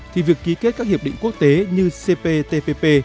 thì việc ký kết các hiệp định quốc tế như cptpp